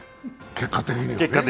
結果的には。